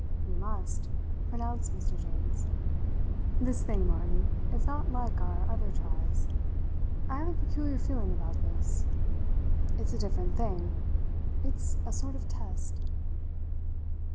"We must," pronounced Mr. Jones. "This thing, Martin, is not like our other tries. I have a peculiar feeling about this. It's a different thing. It's a sort of test."